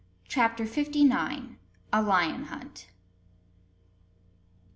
CHAPTER FIFTY NINE. A LION HUNT.